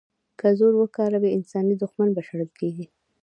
که زور وکاروي، انساني دوښمن به شړل کېږي.